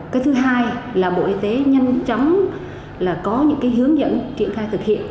cái thứ hai là bộ y tế nhanh chóng có những cái hướng dẫn triển khai thực hiện